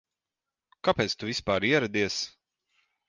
Kāpēc tu vispār ieradies?